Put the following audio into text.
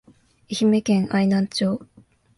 愛媛県愛南町